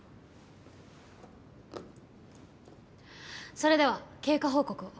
それでは経過報告を。